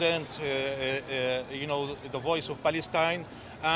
untuk mewakili suara palestina